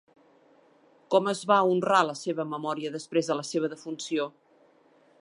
Com es va honrar la seva memòria després de la seva defunció?